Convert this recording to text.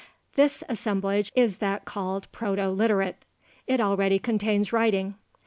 This assemblage is that called Proto Literate; it already contains writing.